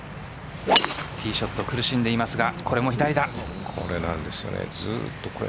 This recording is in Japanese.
ティーショット苦しんでいますがずっとこれ。